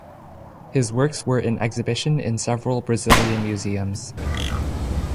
His works are in exhibition in several Brazilian museums.